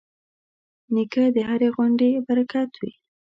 نیکه د هرې غونډې برکت وي.